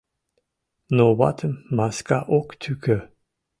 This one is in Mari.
Но ватым маска ок тӱкӧ.